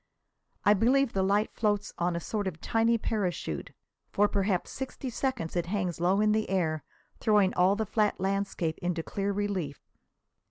I believe the light floats on a sort of tiny parachute. For perhaps sixty seconds it hangs low in the air, throwing all the flat landscape into clear relief.